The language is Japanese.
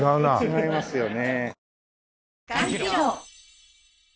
違いますよね。